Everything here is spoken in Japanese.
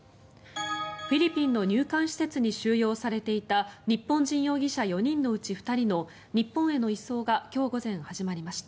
フィリピンの入管施設に収容されていた日本人容疑者４人のうち２人の日本への移送が今日午前、始まりました。